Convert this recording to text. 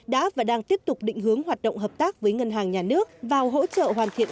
đã và đang tiếp tục định hướng hoạt động hợp tác với ngân hàng nhà nước vào hỗ trợ hoàn thiện